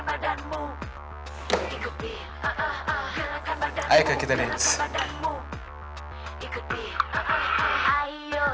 jangan lupa like subscribe share dan share ya